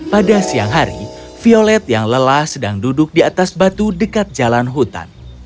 pada siang hari violet yang lelah sedang duduk di atas batu dekat jalan hutan